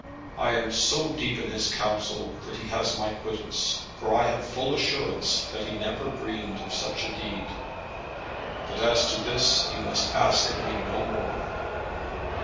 I am so deep in his counsel that he has my quittance, for I have full assurance that he never dreamed of such a deed. But as to this you must ask of me no more."